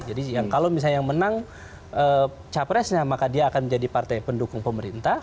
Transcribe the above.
jadi kalau misalnya yang menang capresnya maka dia akan menjadi partai pendukung pemerintah